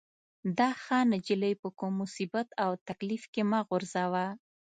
دا ښه نجلۍ په کوم مصیبت او تکلیف کې مه غورځوه.